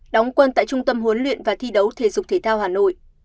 đóng quân tại trung tâm huấn luyện và thi đấu thể dục thể thao hà nội